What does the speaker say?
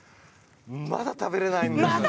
まだ食べられないんです。